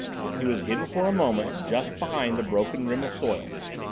It was hidden for a moment just behind the broken rim of soil.